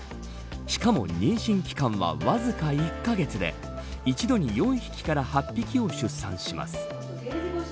しかも妊娠期間は、わずか１カ月で一度に４匹から８匹を出産します。